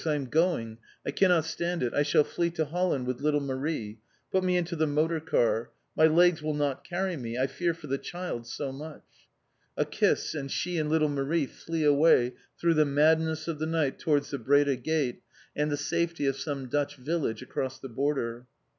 I am going. I cannot stand it. I shall flee to Holland with little Marie. Put me into the motor car. My legs will not carry me. I fear for the child so much!" A kiss, and she and little Marie flee away through the madness of the night towards the Breda Gate and the safety of some Dutch village across the border.